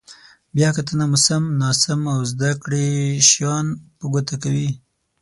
بیا کتنه مو سم، ناسم او زده کړي شیان په ګوته کوي.